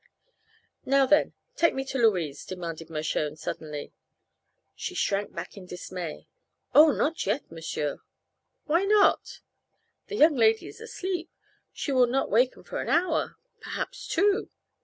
"Now, then, take me to Louise," commanded Mershone, suddenly. She shrank back in dismay. "Oh, not yet, m'sieur!" "Why not?" "The young lady is asleep. She will not waken for an hour perhaps two."